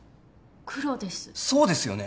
黒ですそうですよね